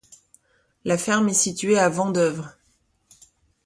La ferme est située à Vendeuvre.